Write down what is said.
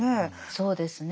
そうですね。